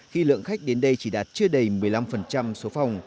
khi lượng khách đến đây chỉ đạt chưa đầy một mươi năm số phòng